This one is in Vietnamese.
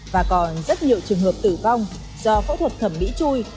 và còn rất nhiều trường hợp tử vong do phẫu thuật thẩm mỹ chui